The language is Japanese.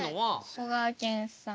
こがけんさん。